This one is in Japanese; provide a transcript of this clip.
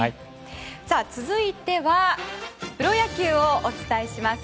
続いてはプロ野球をお伝えします。